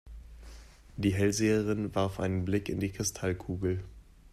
Die Hellseherin warf einen Blick in die Kristallkugel.